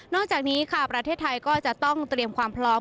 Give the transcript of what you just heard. จากนี้ค่ะประเทศไทยก็จะต้องเตรียมความพร้อม